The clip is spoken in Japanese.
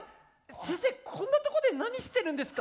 先生こんなとこで何してるんですか？